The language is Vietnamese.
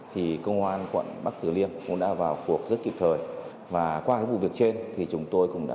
thì công an quận bắc tử liêm cũng đã vào cuộc rất kịp thời và qua cái vụ việc trên thì chúng tôi cũng đã